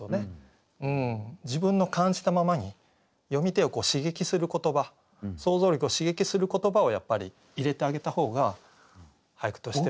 自分の感じたままに読み手を刺激する言葉想像力を刺激する言葉をやっぱり入れてあげた方が俳句としてはいいかと。